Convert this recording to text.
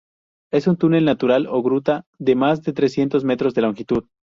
Es un túnel natural o gruta de más de trescientos metros de longitud.